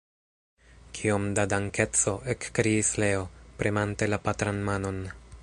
Kiom da dankeco! ekkriis Leo, premante la patran manon.